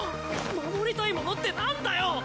守りたいものってなんだよ！